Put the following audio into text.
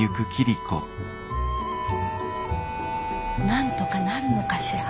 なんとかなるのかしら